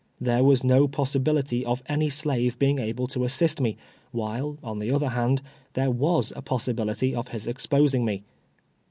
There ■was no possibility of any slave being able to assist me, while, on the other haiul, there 2vas a ]iossibility of his exposing me.